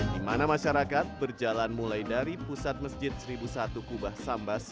di mana masyarakat berjalan mulai dari pusat masjid seribu satu kubah sambas